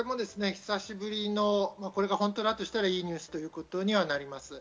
これが本当だとしたら良いニュースだということになります。